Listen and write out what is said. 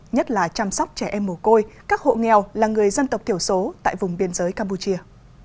nhất là chăm sóc trẻ em mồ côi các hộ nghèo là người dân tộc thiểu số tại vùng biên giới campuchia